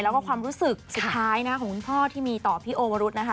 แล้วก็ความรู้สึกสุดท้ายนะของคุณพ่อที่มีต่อพี่โอวรุธนะคะ